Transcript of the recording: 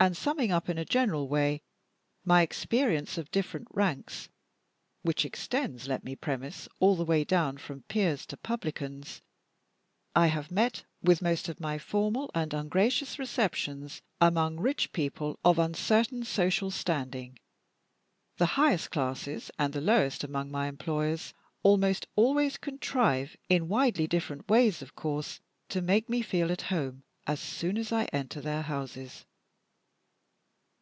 And, summing up, in a general way, my experience of different ranks (which extends, let me premise, all the way down from peers to publicans), I have met with most of my formal and ungracious receptions among rich people of uncertain social standing: the highest classes and the lowest among my employers almost always contrive in widely different ways, of course, to make me feel at home as soon as I enter their houses.